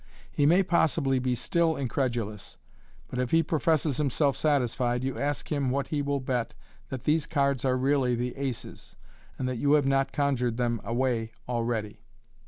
He may possibly be still in credulous, but if he professes himself satisfied, you ask him what he will bet that these cards are really the aces, and that you have not conjured them away already.